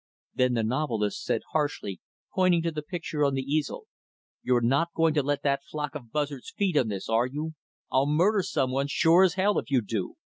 Then the novelist said harshly, pointing to the picture on the easel, "You're not going to let that flock of buzzards feed on this, are you? I'll murder some one, sure as hell, if you do."